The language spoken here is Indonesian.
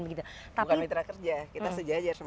bukan mitra kerja kita sejajar sama presiden